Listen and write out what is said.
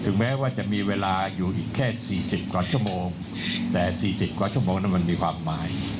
แม้ว่าจะมีเวลาอยู่อีกแค่๔๐กว่าชั่วโมงแต่๔๐กว่าชั่วโมงนั้นมันมีความหมาย